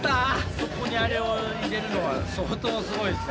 そこにあれを入れるのは相当すごいですね。